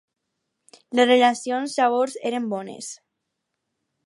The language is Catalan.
Les relacions llavors eren bones.